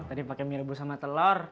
tadi pakai mie rebus sama telur